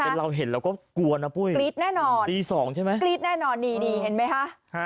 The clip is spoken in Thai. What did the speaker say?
แต่เป็นเราเห็นเราก็กลัวนะปุ้ยตี๒ใช่ไหมคลิปแน่นอนคลิปแน่นอนนี่เห็นไหมฮะ